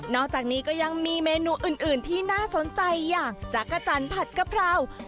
อกจากนี้ก็ยังมีเมนูอื่นที่น่าสนใจอย่างจักรจันทร์ผัดกะเพรา